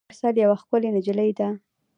مرسل یوه ښکلي نجلۍ ده.